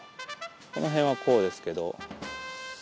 この辺はこうですけど。